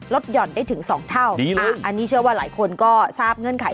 ลดหย่อนได้ถึงสองเท่านี่เลยอ่าอันนี้เชื่อว่าหลายคนก็ทราบเงื่อนไข